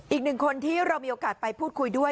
อีกหนึ่งคนที่เรามีโอกาสไปพูดคุยด้วย